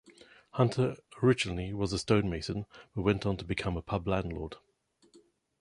Hunter originally was a stonemason, but went on to become a pub landlord.